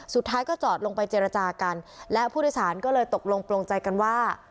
สุดท้ายก็จอดลงไปเจรจากันและผู้โดยสารก็เลยตกลงโปรงใจกันว่า